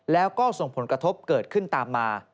แล้วก็ส่งผลกระทบเกิดขึ้นตามมา